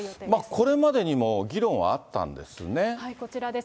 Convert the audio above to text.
これまでにも議論はあっこちらです。